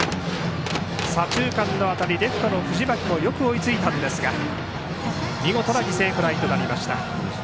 左中間の当たりでレフトの藤巻もよく追いついたんですが見事な犠牲フライとなりました。